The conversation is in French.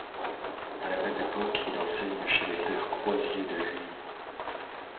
À la même époque, il enseigne chez les Pères croisiers de Huy.